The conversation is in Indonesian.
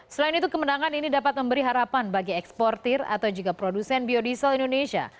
selain itu kemenangan ini dapat memberi harapan bagi eksportir atau juga produsen biodiesel indonesia